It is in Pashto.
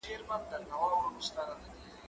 زه مخکي کار کړی و؟!